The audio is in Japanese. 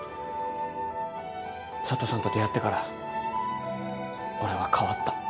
佐都さんと出会ってから俺は変わった。